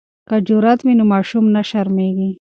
که جرات وي نو ماشوم نه شرمیږي.